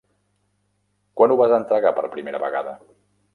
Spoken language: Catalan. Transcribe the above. Quan ho vas entregar per primera vegada?